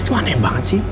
itu aneh banget sih